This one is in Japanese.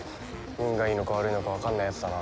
運がいいのか悪いのかわかんないやつだな。